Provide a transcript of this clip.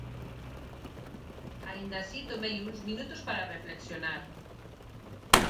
Aínda así tomei uns minutos para reflexionar.